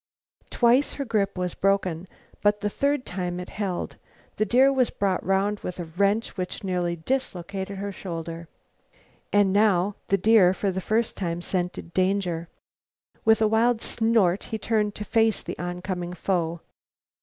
Twice her grip was broken, but the third time it held; the deer was brought round with a wrench which nearly dislocated her shoulder. And now the deer for the first time scented danger. With a wild snort he turned to face the oncoming foe.